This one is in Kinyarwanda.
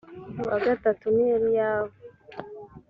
uwa gatatu ni eliyabu